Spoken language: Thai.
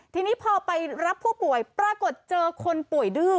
ทีนี้พอไปรับผู้ป่วยปรากฏเจอคนป่วยดื้อ